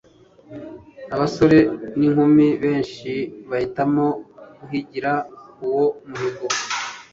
abasore n inkumi benshi bahitamo guhigira uwo muhigo